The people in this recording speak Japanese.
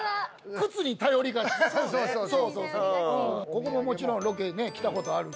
ここももちろんロケ来たことあるし。